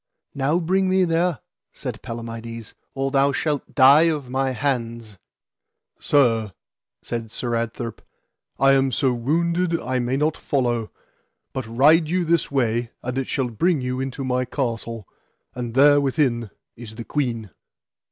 Now bring me there, said Palamides, or thou shalt die of my hands. Sir, said Sir Adtherp, I am so wounded I may not follow, but ride you this way and it shall bring you into my castle, and there within is the queen.